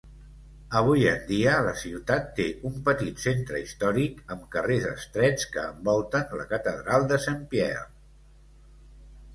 Avui en dia, la ciutat té un petit centre històric amb carrers estrets que envolten la catedral de Saint-Pierre.